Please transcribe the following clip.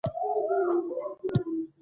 جانداد د پاک چاپېریال خوښوونکی دی.